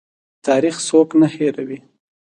تاریخ څوک نه هیروي